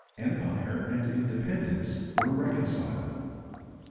Empire and Independence were reconciled.